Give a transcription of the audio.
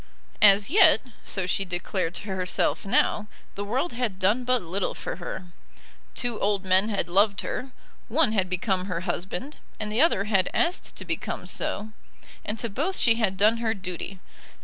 As yet, so she declared to herself now, the world had done but little for her. Two old men had loved her; one had become her husband, and the other had asked to become so; and to both she had done her duty.